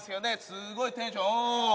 すごいテンションお。